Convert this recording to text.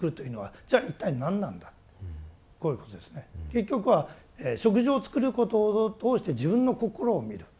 結局は食事を作ることを通して自分の心を見る。